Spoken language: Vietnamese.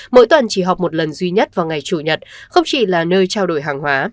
mỗi tuần chỉ học một lần duy nhất vào ngày chủ nhật không chỉ là nơi trao đổi hàng hóa